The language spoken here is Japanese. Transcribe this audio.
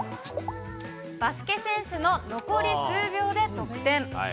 バスケ選手の残り数秒で得点。